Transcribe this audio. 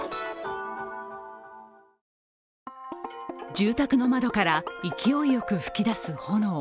住宅の窓から勢いよく噴き出す炎。